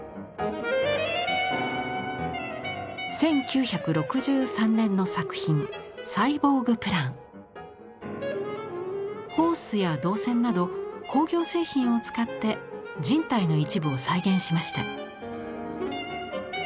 １９６３年の作品ホースや銅線など工業製品を使って人体の一部を再現しました。